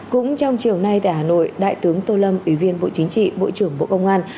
cũng trong chiều nay tại hà nội đại tướng tô lâm ủy viên bộ chính trị bộ trưởng bộ công an